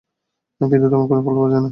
কিন্তু তেমন কোনো ফল পাওয়া যায় না।